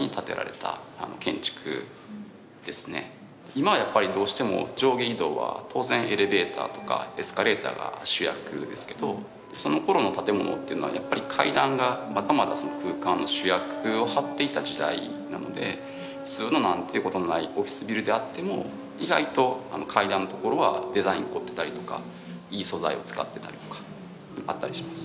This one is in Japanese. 今はやっぱりどうしても上下移動は当然エレベーターとかエスカレーターが主役ですけどそのころの建物というのはやっぱり階段がまだまだその空間の主役を張っていた時代なので普通の何ていうことのないオフィスビルであっても意外と階段のところはデザイン凝ってたりとかいい素材を使ってたりとかあったりします。